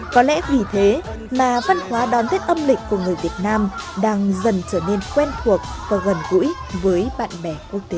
có lẽ vì thế mà văn hóa đón tết âm lịch của người việt nam đang dần trở nên quen thuộc và gần gũi với bạn bè quốc tế